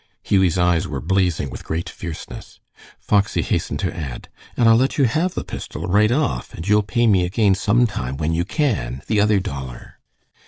Hughie's eyes were blazing with great fierceness. Foxy hastened to add, "And I'll let you have the pistol right off, and you'll pay me again some time when you can, the other dollar."